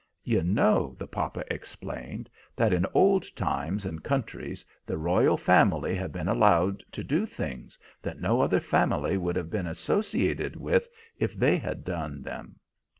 "You know," the papa explained, "that in old times and countries the royal family have been allowed to do things that no other family would have been associated with if they had done them.